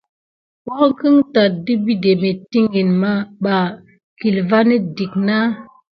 Wuake táte ɗe biɗé mintikiti mà kilva net dik na.